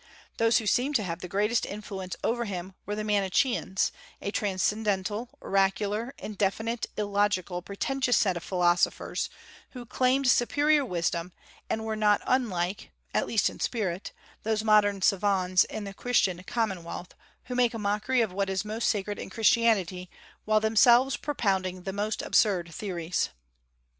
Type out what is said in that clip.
Those who seemed to have the greatest influence over him were the Manicheans, a transcendental, oracular, indefinite, illogical, pretentious set of philosophers, who claimed superior wisdom, and were not unlike (at least in spirit) those modern savans in the Christian commonwealth, who make a mockery of what is most sacred in Christianity while themselves propounding the most absurd theories.